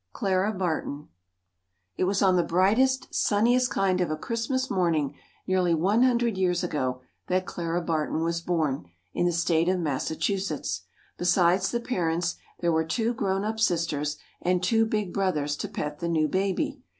CLARA BARTON It was on the brightest, sunniest kind of a Christmas morning, nearly one hundred years ago, that Clara Barton was born, in the State of Massachusetts. Besides the parents, there were two grown up sisters and two big brothers to pet the new baby.